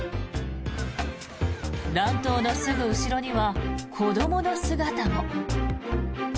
乱闘のすぐ後ろには子どもの姿も。